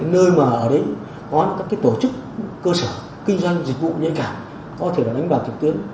nơi mà ở đấy có các tổ chức cơ sở kinh doanh dịch vụ nhẹ cảm có thể là đánh bạc thực tiến